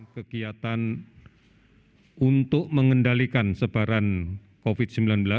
kegiatan untuk mengendalikan sebaran covid sembilan belas